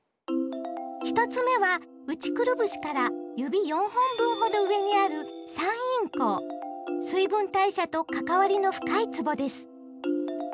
１つ目は内くるぶしから指４本分ほど上にある水分代謝と関わりの深いつぼです。